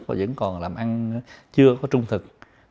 và vẫn còn làm ăn chưa có trung thực